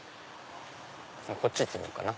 こっち行ってみようかな。